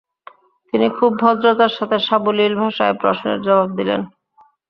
তিনি খুব ভদ্রতার সাথে সাবলীল ভাষায় প্রশ্নের জবাব দিলেন।